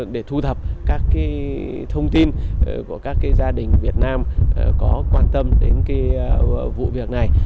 để thu thập các cái thông tin của các cái gia đình việt nam có quan tâm đến cái vụ việc này